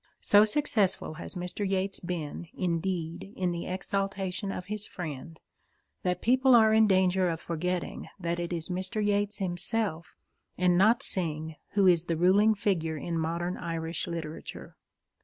So successful has Mr. Yeats been, indeed, in the exaltation of his friend, that people are in danger of forgetting that it is Mr. Yeats himself, and not Synge, who is the ruling figure in modern Irish literature.